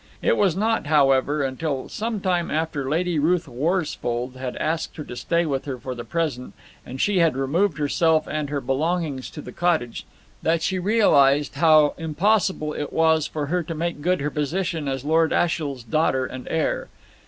It was not, however, until some time after Lady Ruth Worsfold had asked her to stay with her for the present, and she had removed herself and her belongings to the cottage, that she realized how impossible it was for her to make good her position as Lord Ashiel's daughter and heir.